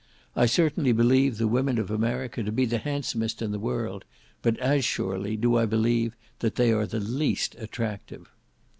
I certainly believe the women of America to be the handsomest in the world, but as surely do I believe that they are the least attractive.